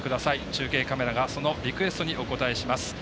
中継カメラが、そのリクエストにお応えいたします。